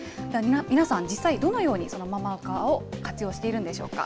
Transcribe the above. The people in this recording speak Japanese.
皆さん、実際、どのようにそのママ垢を活用しているんでしょうか。